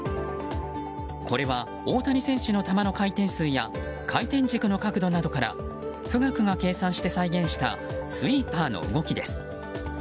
これは、大谷選手の球の回転数や回転軸の角度などから「富岳」が計算して再現したスイーパーの動きです。